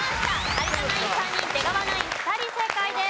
有田ナイン３人出川ナイン２人正解です。